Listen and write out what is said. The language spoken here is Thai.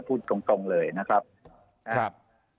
พูดตรงเลยนะครับ